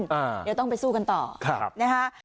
เดี๋ยวต้องไปสู้กันต่อนะคะ